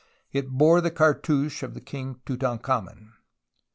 It bore the cartouche of the King Tutankhamen.